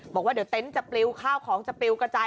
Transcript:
บอกว่าเดี๋ยวเต็นต์จะปลิวข้าวของจะปลิวกระจาย